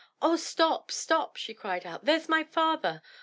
"Oh, stop, stop!" she cried out. "There's my father!